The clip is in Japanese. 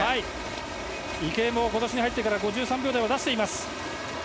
池江も今年に入ってから５３秒台を出しています。